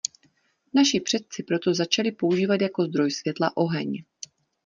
Naši předci proto začali používat jako zdroj světla oheň.